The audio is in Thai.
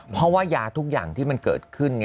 เพราะว่ายาทุกอย่างที่มันเกิดขึ้น